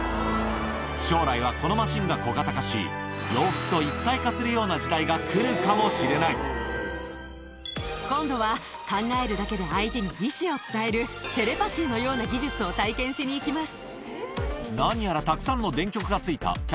将来はこのマシンが小型化し、洋服と一体化するような時代が来今度は、考えるだけで相手に意思を伝える、テレパシーのような技術を体験しに行きます。